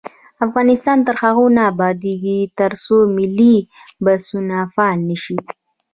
افغانستان تر هغو نه ابادیږي، ترڅو ملي بسونه فعال نشي.